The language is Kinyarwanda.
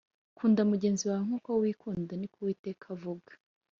Kunda mugenzi wawe nkuko wikunda niko uwiteka avuga